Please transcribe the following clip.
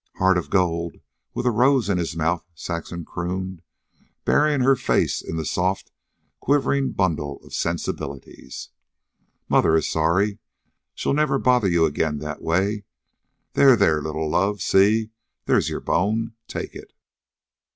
"Heart of gold with a rose in his mouth," Saxon crooned, burying her face in the soft and quivering bundle of sensibilities. "Mother is sorry. She'll never bother you again that way. There, there, little love. See? There's your bone. Take it."